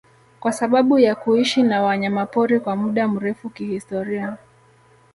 kwa sababu ya kuishi na wanyamapori kwa muda mrefu kihistoria